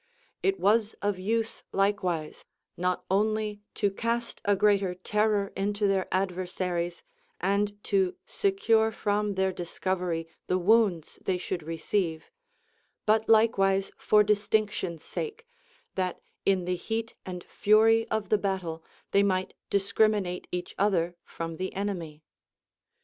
It was of use likewise, not only to cast a greater terror into their adversaries and to secure from their discovery the wounds they should receive, but likewise for distinction's sake, that in the heat and fury of the battle they might discriminate each other from the enemy.